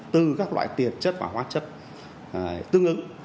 từ các loại tiền chất và hóa chất tương ứng